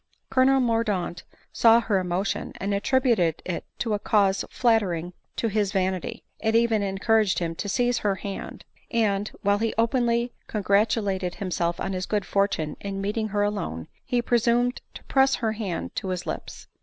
Colonel Mordaunt saw her emotion, and attributed it to a cause flattering to his vanity ; it even encouraged him to seize her hand ; and, while he openly congratu lated himself on his good fortune in meeting her alone, be presumed to press her hand to his lips.